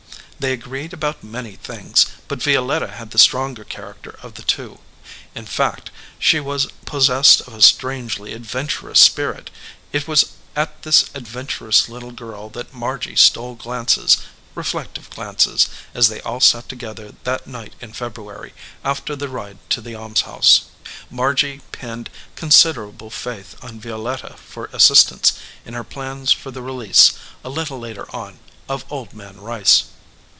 They agreed about many things, but Violetta had the stronger character of the two ; in fact, she was possessed of a strangely adventurous spirit. It was at this adventurous little girl that Margy stole glances, reflective glances, as they all sat together that night in February after the ride to the almshouse. Margy pinned considerable faith on Violetta for assistance in her plans for the re lease, a little later on, of Old Man Rice.